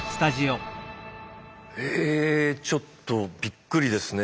えちょっとびっくりですね。